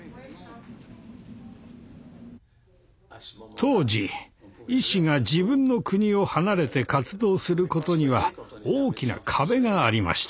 当時医師が自分の国を離れて活動することには大きな壁がありました。